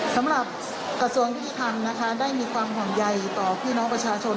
สำหรับกระทรวงยุติธรรมนะคะได้มีความห่วงใยต่อพี่น้องประชาชน